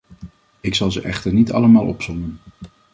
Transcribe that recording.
Ik zal ze echter niet allemaal opsommen.